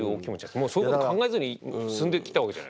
もうそういうこと考えずに進んできたわけじゃないですか。